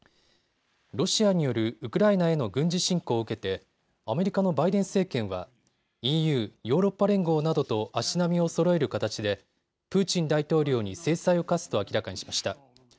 ロシアによるウクライナへの軍事侵攻を受けて、アメリカのバイデン政権はＥＵ・ヨーロッパ連合などと足並みをそろえる形でプーチン大統領に制裁を科すと明らかにしました。